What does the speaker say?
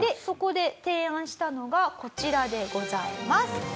そこで提案したのがこちらでございます。